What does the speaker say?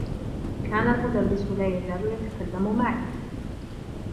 كان المدرّس لا يزال يتكلّم معي.